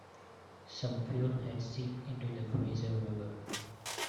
Some fuel had seeped into the Fraser River.